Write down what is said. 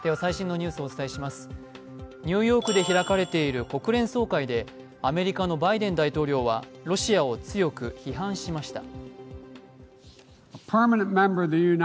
ニューヨークで開かれている国連総会でアメリカのバイデン大統領はロシアを強く批判しました。